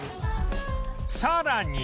さらに